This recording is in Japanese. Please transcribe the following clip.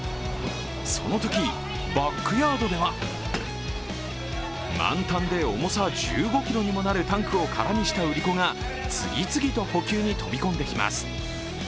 そのとき、バックヤードでは満タンで重さ１５ｋｇにもなるタンクを空にした売り子が次々と補給に飛び込んできます。